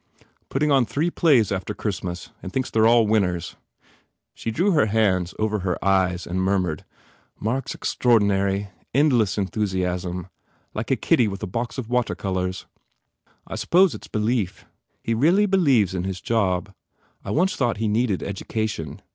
"Putting on three plays after Christmas and thinks they re all winners." She drew her hands over her eyes and mur mured, "Mark s extraordinary. Endless en thusiasm. Like a kiddy with a box of water colours. I suppose it s belief. He really believes in his job. ... I once thought he needed edu cation.